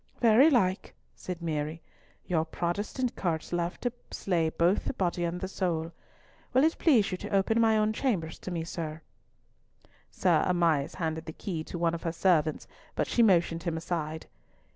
"Very like," said Mary. "Your Protestant courts love to slay both body and soul. Will it please you to open my own chambers to me, sir?" Sir Amias handed the key to one of her servants but she motioned him aside.